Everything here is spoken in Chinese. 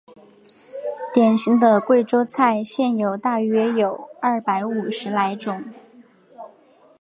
典型的贵州菜现有大约有二百五十来种。